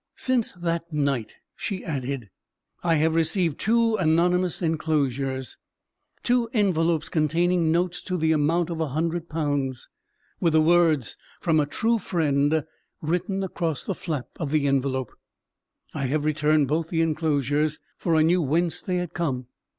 "Since that night," she added, "I have received two anonymous enclosures—two envelopes containing notes to the amount of a hundred pounds, with the words 'From a True Friend' written across the flap of the envelope. I returned both the enclosures; for I knew whence they had come.